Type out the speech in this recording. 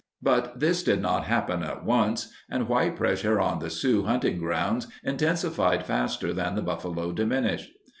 But this did not happen at once, and white pressure on the Sioux hunting grounds intensified faster than the buffalo diminished.